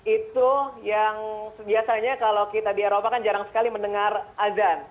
itu yang biasanya kalau kita di eropa kan jarang sekali mendengar azan